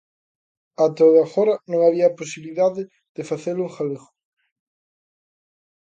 Até o de agora, non había a posibilidade de facelo en galego.